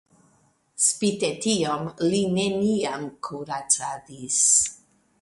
Spite tion li neniam kuracadis.